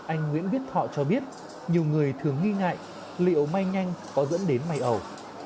anh nguyễn viết thọ cho biết nhiều người thường nghi ngại liệu may nhanh có dẫn đến may ẩu